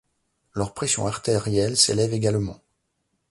Leur pression artérielle s'élève également.